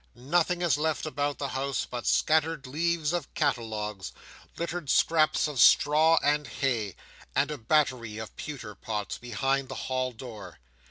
Nothing is left about the house but scattered leaves of catalogues, littered scraps of straw and hay, and a battery of pewter pots behind the hall door.